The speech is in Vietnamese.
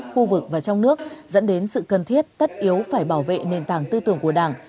khu vực và trong nước dẫn đến sự cần thiết tất yếu phải bảo vệ nền tảng tư tưởng của đảng